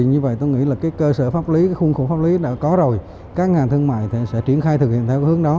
như vậy tôi nghĩ cơ sở pháp lý khuôn khủng pháp lý đã có rồi các ngành thương mại sẽ triển khai thực hiện theo hướng đó